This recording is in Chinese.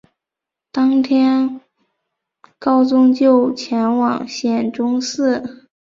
当天高宗就前往显忠寺。